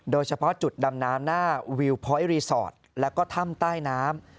โดยเฉพาะจุดดำน้ำหน้าวิวพอยต์รีสอร์ทแล้วก็ถ้ำใต้น้ำ